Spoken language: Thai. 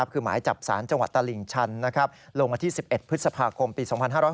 คือหมายจับสารจังหวัดตลิ่งชันลงวันที่๑๑พฤษภาคมปี๒๕๖๖